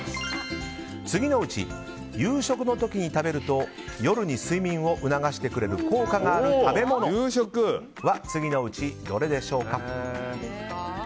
次のうち、夕食の時に食べると夜に睡眠を促してくれる効果がある食べ物は次のうちどれでしょうか？